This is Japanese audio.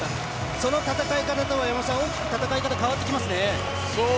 その戦い方とは、大きく戦い方変わってきますね。